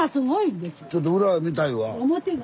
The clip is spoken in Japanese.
ちょっと裏見たいわ。